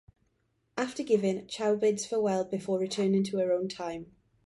After giving, Chao bids farewell before returning to her own time.